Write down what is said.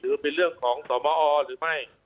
หรือเป็นเรื่องของสมอหรือไม่